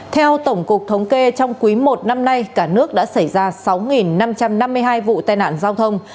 theo tổng cục thống kê trong quý i năm nay cả nước đã xảy ra sáu năm trăm năm mươi hai vụ tai nạn giao thông